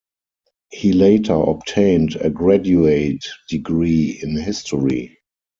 He later obtained a graduate degree in history.